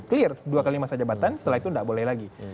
clear dua kali masa jabatan setelah itu tidak boleh lagi